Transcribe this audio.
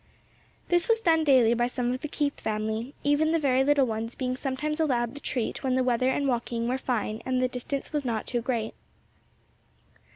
This was done daily by some of the Keith family, even the very little ones being sometimes allowed the treat when the weather and walking were fine and the distance was not too great.